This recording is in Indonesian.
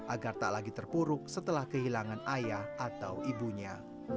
agar tak lagi terpuruk setelah kehilangan ayah atau ibunya